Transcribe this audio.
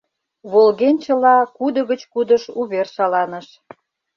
Волгенчыла кудо гыч кудыш увер шаланыш.